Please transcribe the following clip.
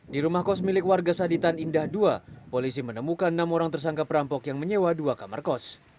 di rumah kos milik warga saditan indah ii polisi menemukan enam orang tersangka perampok yang menyewa dua kamar kos